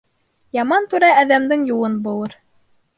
Яман түрә әҙәмдең юлын быуыр.